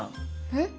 えっ？